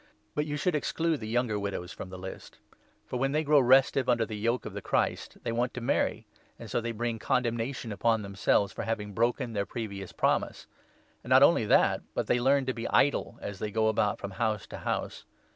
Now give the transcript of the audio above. But you should exclude the younger n widows from the list ; for, when they grow restive under the yoke of the Christ, they want to marry, and so they 12 bring condemnation upon themselves for having broken their previous promise. And not only that, but they learn to be idle 13 as they go about from house to house.